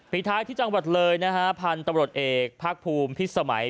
ท้ายที่จังหวัดเลยนะฮะพันธุ์ตำรวจเอกภาคภูมิพิษสมัย